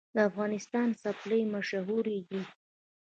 د افغانستان څپلۍ مشهورې دي